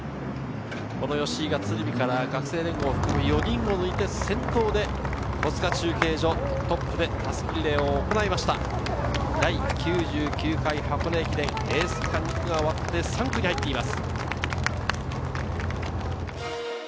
吉居が鶴見から学生連合を含め、４人を抜いて先頭で戸塚中継所、トップで襷リレーを行い第９９回箱根駅伝、往路の区間の３区に入っています。